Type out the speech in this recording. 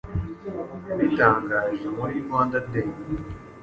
Yabitangaje muri Rwanda day